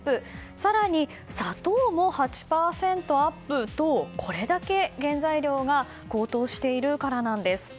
更に、砂糖も８％アップとこれだけ原材料が高騰しているからなんです。